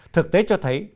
thực tế cho thấy